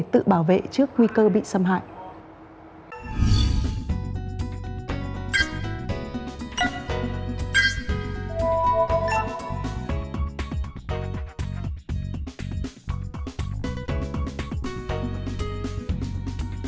tự bảo vệ trước nguy cơ bị xâm hại